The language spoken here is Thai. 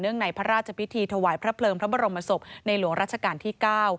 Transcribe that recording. ในพระราชพิธีถวายพระเพลิงพระบรมศพในหลวงราชการที่๙